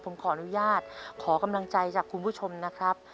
ผมขออนุญาตขอกำลังใจจากคุณผู้ชมนะครับ